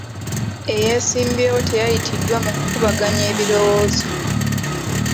Eyeesimbyewo teyayitiddwa mu kukubaganya ebirowoozo.